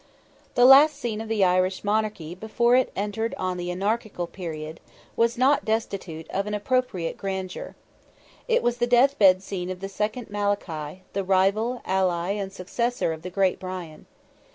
The last scene of the Irish monarchy, before it entered on the anarchical period, was not destitute of an appropriate grandeur. It was the death bed scene of the second Malachy, the rival, ally, and successor of the great Brian.